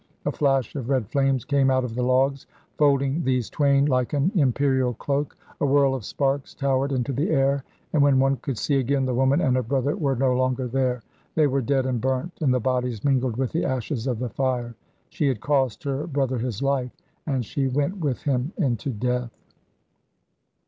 A flash of red flames came out of the logs, folding these twain like an imperial cloak, a whirl of sparks towered into the air, and when one could see again the woman and her brother were no longer there. They were dead and burnt, and the bodies mingled with the ashes of the fire. She had cost her brother his life, and she went with him into death.